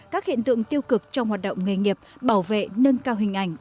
các hiện tượng tiêu cực trong hoạt động nghề nghiệp bảo vệ nâng cao hình ảnh